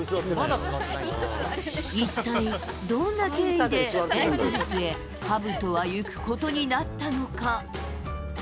一体どんな経緯でエンゼルスへかぶとは行くことになったのか。